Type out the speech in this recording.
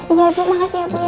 iya pu makasih ya pu